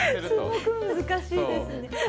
すごく難しいですね。